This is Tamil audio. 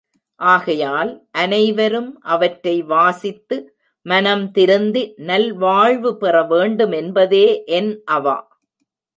ஆகையால், அனைவரும் அவற்றை வாசித்து, மனம் திருந்தி, நல்வாழ்வு பெறவேண்டு மென்பதே என் அவா.